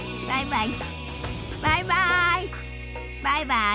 バイバイ。